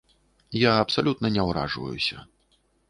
Я абсалютна не ўражваюся.